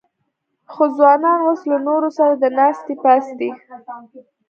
خو ځوانان اوس له نورو سره د ناستې پاستې